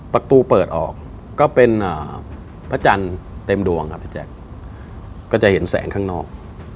ประตูเปิดออกก็เป็นพระจันทร์เต็มดวงครับพี่แจ๊คก็จะเห็นแสงข้างนอก